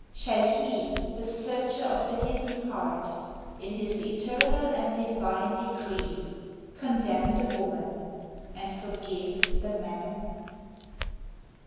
Shall He, the Searcher of the hidden heart, In His eternal and divine decree Condemn the woman and forgive the man?